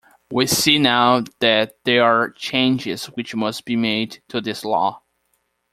We see now that there are changes which must be made to this law.